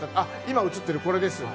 今、映ってるこれです。